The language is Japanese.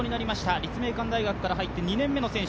立命館大学から入って２年目の選手。